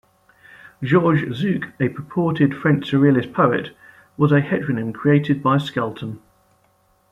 Georges Zuk, a purported French surrealist poet, was a heteronym created by Skelton.